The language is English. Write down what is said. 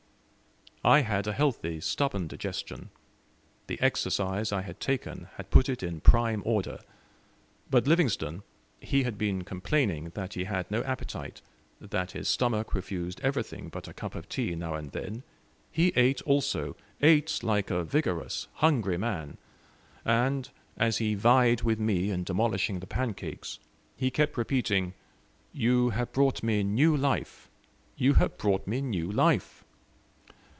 I had a healthy, stubborn digestion the exercise I had taken had put it in prime order; but Livingstone he had been complaining that he had no appetite, that his stomach refused everything but a cup of tea now and then he ate also ate like a vigorous, hungry man; and, as he vied with me in demolishing the pancakes, he kept repeating, "You have brought me new life. You have brought me new life."